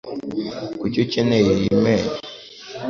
Kuki ukeneye iyi menyo?